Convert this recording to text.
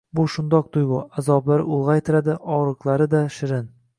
Bu shundoq tuygʻu — azoblari ulgʻaytiradi, ogʻriqlari-da shirin...